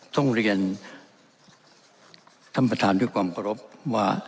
ต้องเรียนทำประธานด้วยความรับว่า